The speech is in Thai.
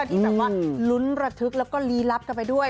ที่แบบว่าลุ้นระทึกแล้วก็ลี้ลับกันไปด้วย